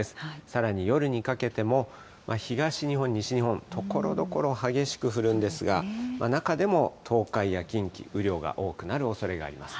さらに夜にかけても東日本、西日本、ところどころ激しく降るんですが、中でも東海や近畿、雨量が多くなるおそれがあります。